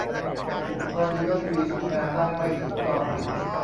อุปกรณ์ยูเอสบีทำงานได้ไม่ถูกต้อง